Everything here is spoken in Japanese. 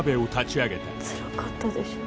つらかったでしょ？